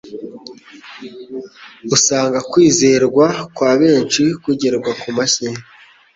usanga kwizerwa kwa benshi kugerwa ku mashyi